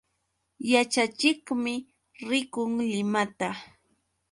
Yaćhachiqmi rikun Limata.